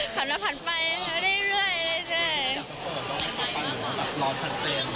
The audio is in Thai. ข้ามไปหันไปอยู่ด้วย